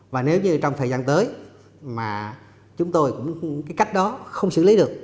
và nếu như trong thời gian tới mà chúng tôi cũng cái cách đó không xử lý được